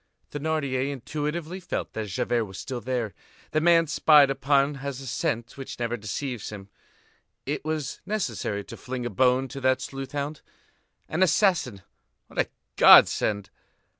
Thénardier intuitively felt that Javert was still there; the man spied upon has a scent which never deceives him; it was necessary to fling a bone to that sleuth hound. An assassin, what a godsend!